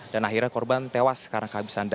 dan akhirnya korban tewas karena kehabisan daya